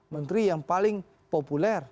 menteri yang paling populer